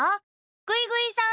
ぐいぐいさん！